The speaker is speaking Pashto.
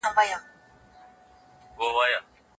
غړي به د پوهنې د پرمختګ لپاره تګلاره وټاکي.